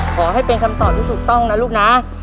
ขอให้เป็นคำตอบที่ถูกต้องนะลูกนะ